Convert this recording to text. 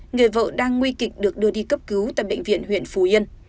người vợ đang nguy kịch được đưa đi cấp cứu tại bệnh viện huyện phù yên